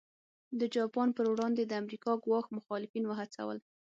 د جاپان پر وړاندې د امریکا ګواښ مخالفین وهڅول.